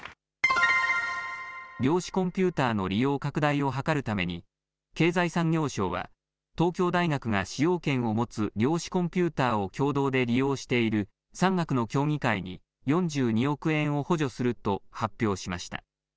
量子コンピューターの利用拡大を図るために、経済産業省は東京大学が使用権を持つ量子コンピューターを共同で利用している産学の協議会に、４２億円を補助すると発表しました。